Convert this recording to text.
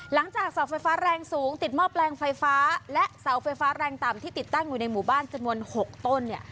หลังจากเสาไฟฟ้าแรงสูงติดหม้อแปลงไฟฟ้าและเสาไฟฟ้าแรงต่ำที่ติดตั้งอยู่ในหมู่บ้านจำนวน๖ต้นเนี่ย